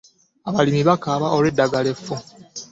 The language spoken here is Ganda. Abalimi bakaaba olw'eddagala effu.